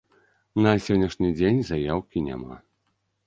На сённяшні дзень заяўкі няма.